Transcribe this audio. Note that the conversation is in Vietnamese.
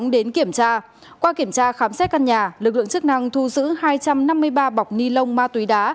đến kiểm tra qua kiểm tra khám xét căn nhà lực lượng chức năng thu giữ hai trăm năm mươi ba bọc ni lông ma túy đá